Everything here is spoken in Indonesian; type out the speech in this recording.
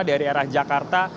dari arah jakarta